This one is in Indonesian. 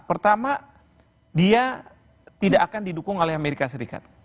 pertama dia tidak akan didukung oleh amerika serikat